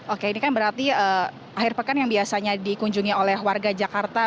oke ini kan berarti akhir pekan yang biasanya dikunjungi oleh warga jakarta